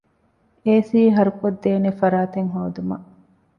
އޭ.ސީ ހަރުކޮށްދޭނެ ފަރާތެއް ހޯދުމަށް